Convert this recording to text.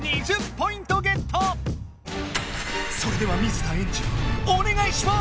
それでは水田エンジおねがいします！